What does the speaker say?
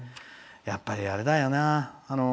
やっぱり、あれだよな。